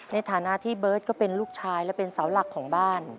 ในฐานะที่เบิร์ตก็เป็นลูกชายและเป็นเสาหลักของบ้าน